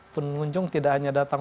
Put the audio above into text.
penunjung tidak hanya datang